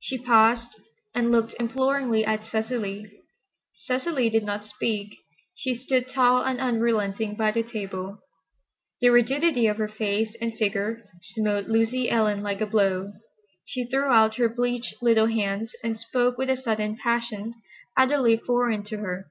She paused and looked imploringly at Cecily. Cecily did not speak. She stood tall and unrelenting by the table. The rigidity of her face and figure smote Lucy Ellen like a blow. She threw out her bleached little hands and spoke with a sudden passion utterly foreign to her.